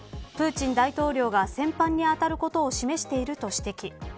プーチン大統領が戦犯にあたることを示していると指摘。